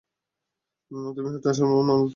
তুমিই হচ্ছ আসল মাল, তাই না?